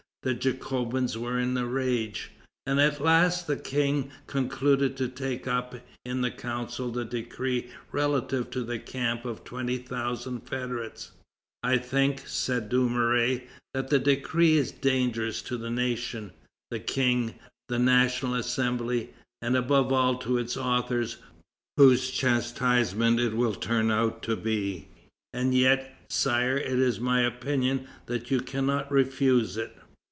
The Jacobins were in a rage. At last the King concluded to take up in the Council the decree relative to the camp of twenty thousand federates. "I think," said Dumouriez, "that the decree is dangerous to the nation, the King, the National Assembly, and above all to its authors, whose chastisement it will turn out to be; and yet, Sire, it is my opinion that you cannot refuse it.